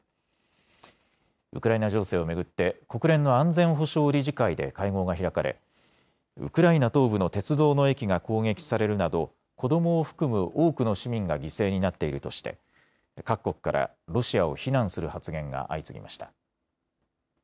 ウクライナ情勢を巡って国連の安全保障理事会で会合が開かれウクライナ東部の鉄道の駅が攻撃されるなど子どもを含む多くの市民が犠牲になっているとして各国からロシアを非難する発言が相次ぎました。